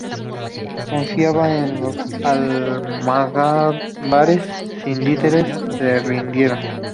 Confiaban que los almogávares, sin líderes, se rindieran.